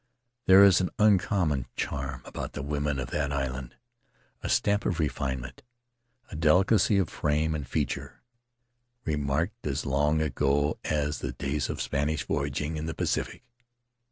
There is an uncommon charm about the women of that island — a stamp of refinement, a delicacy of frame and feature, remarked as long ago as the days of Spanish voyaging in the Pacific.